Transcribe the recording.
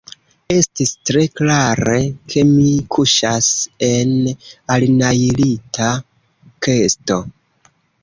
Estis tre klare, ke mi kuŝas en alnajlita kesto.